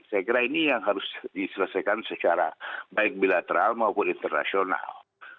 saya kira ini yang harus diselesaikan secara baik bilateral maupun internasional